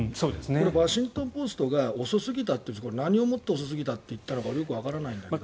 ワシントン・ポストが遅すぎたと何をもって遅すぎたと言ったのかちょっとわからないんですけど。